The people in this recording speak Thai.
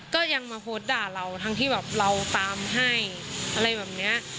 ก็ยังมาโพสต์ด่าเราทั้งที่แบบเราตามให้อะไรแบบนี้